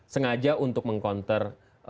sengaja untuk mengkonter dua dua belas empat sebelas